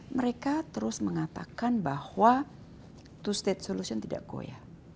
mereka terus mengatakan bahwa two state solution tidak goya